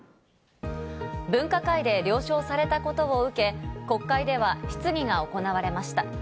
分科会で了承されたことを受け、国会で質疑が行われました。